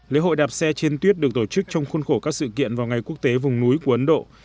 lễ hội đạp xe trên tuyết được tổ chức trong khuôn khổ các sự kiện vào ngày quốc tế vùng núi của ấn độ